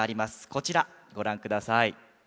こちらご覧ください。